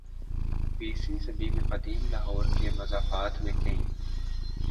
یسویں صدی میں قدیم لاہور کے مضافات میں کئی